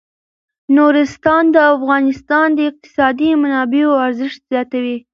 نورستان د افغانستان د اقتصادي منابعو ارزښت زیاتوي.